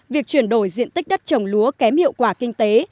việc chuyển đổi diện tích đất trồng lúa kém hiệu quả kinh tế